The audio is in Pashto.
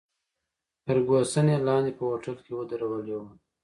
فرګوسن یې لاندې په هوټل کې ودرولې وه.